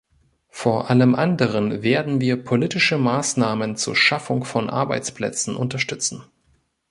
Vor allem anderen werden wir politische Maßnahmen zur Schaffung von Arbeitsplätzen unterstützen.